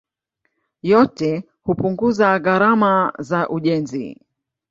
Yote hupunguza gharama za ujenzi.